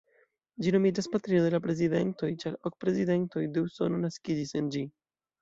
Ĝi nomiĝas "patrino de la prezidentoj", ĉar ok prezidentoj de Usono naskiĝis en ĝi.